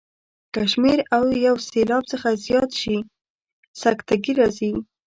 که شمېر له یو سېلاب څخه زیات شي سکته ګي راځي.